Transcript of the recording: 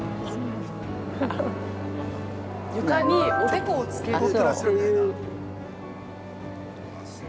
床におでこをつけるっていう。